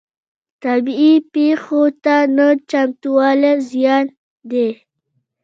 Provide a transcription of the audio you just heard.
طبیعي پیښو ته نه چمتووالی زیان دی.